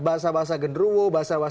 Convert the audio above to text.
bahasa bahasa genruwo bahasa